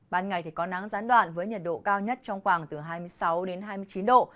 ban ngày thì có nắng gián đoạn với nhiệt độ cao nhất trong khoảng từ hai mươi sáu đến hai mươi chín độ